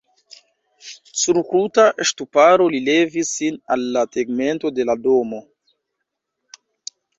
Sur kruta ŝtuparo li levis sin al la tegmento de la domo.